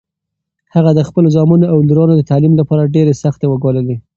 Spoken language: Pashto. هغه د خپلو زامنو او لورانو د تعلیم لپاره ډېرې سختۍ وګاللې.